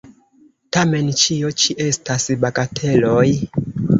Tamen, ĉio ĉi estas bagateloj!